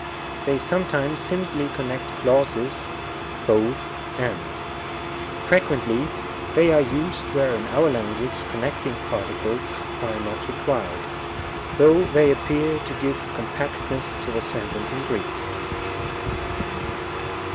They sometimes simply con nect clauses =:J(9<A — and; frequently they are used where in our language connecting particles are not re quired, though they appear to give compactness to the sentence in Greek.